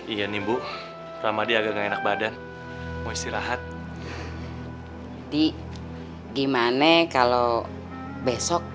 iya nih bu ramadhan agak gak enak badan mau istirahat di gimana kalau besok